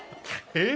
えっ！？